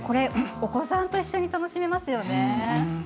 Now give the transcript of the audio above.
お子さんと一緒に楽しめますよね。